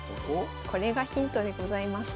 これがヒントでございます。